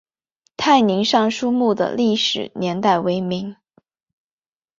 泰宁尚书墓的历史年代为明。